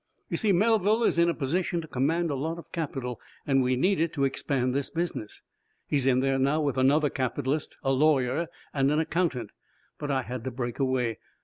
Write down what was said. You see, Melville is in a position to command a lot of capital, and we need it to expand this business. He's in there, now, with another capitalist, a lawyer and an accountant. But I had to break away.